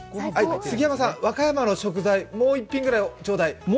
杉山さん、和歌山の食材、もう一品ぐらいちょうだい。